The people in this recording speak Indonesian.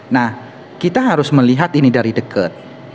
nah kita harus melihat ini dari dekat